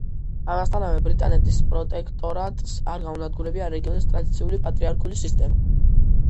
ამასთანავე, ბრიტანეთის პროტექტორატს არ გაუნადგურებია რეგიონის ტრადიციული პატრიარქალური სისტემა.